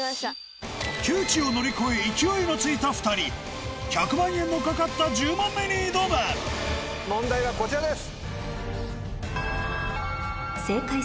窮地を乗り越え勢いのついた２人１００万円の懸かった１０問目に挑む問題はこちらです。